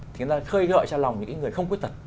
thì người ta khơi gợi cho lòng những người không khuyết tật